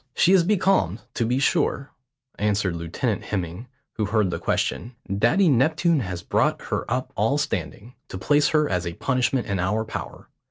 "She is becalmed, to be sure," answered Lieutenant Hemming, who heard the question. "Daddy Neptune has brought her up all standing, to place her as a punishment in our power.